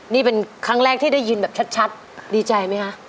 นี่เป็นครั้งแรกที่ได้ยินแบบชัดดีใจไหมคะ